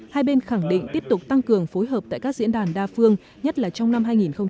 hai bên khẳng định tiếp tục tăng cường phối hợp tại các diễn đàn đa phương nhất là trong năm hai nghìn hai mươi